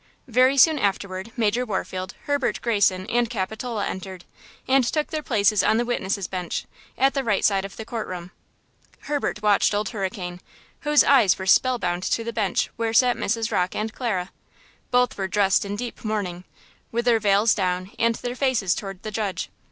Very soon afterward Major Warfield, Herbert Greyson and Capitola entered, and took their places on the witness's bench, at the right side of the court room. Herbert watched Old Hurricane, whose eyes were spell bound to the bench where sat Mrs. Rocke and Clara. Both were dressed in deep mourning, with their veils down and their faces toward the judge.